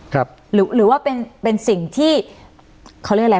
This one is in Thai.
หรือหรือว่าเป็นเป็นสิ่งที่เขาเรียกอะไร